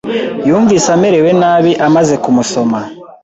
Yumvise amerewe nabi amaze kumusoma.